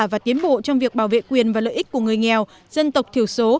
và tiến bộ trong việc bảo vệ quyền và lợi ích của người nghèo dân tộc thiểu số